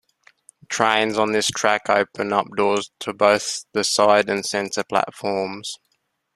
Trains on this track open up doors to both the side and center platforms.